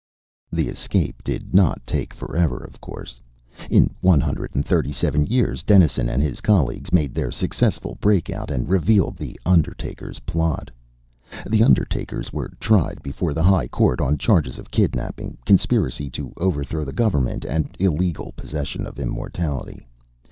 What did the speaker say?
The escape did not take forever, of course. In one hundred and thirty seven years, Dennison and his colleagues made their successful breakout and revealed the Undertakers' Plot. The Undertakers were tried before the High Court on charges of kidnapping, conspiracy to overthrow the government, and illegal possession of immortality.